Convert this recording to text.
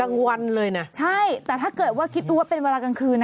แต่ถ้าเกิดว่าคิดดูว่าเป็นเวลากลางคืน